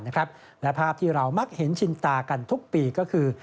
และภาพที่เรามักเห็นชินตากันทุกปีก็คือ